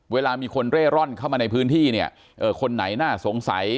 เวลามีคนเร่ร่อนเข้ามาในพื้นที่เนี่ยคนไหนน่าสงสัย